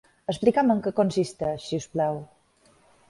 Explica'm en què consisteix, si us plau.